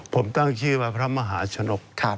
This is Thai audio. ผมตั้งชื่อว่าพระมหาชนก